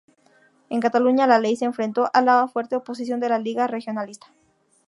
En Cataluña la ley se enfrentó a la fuerte oposición de la "Lliga Regionalista".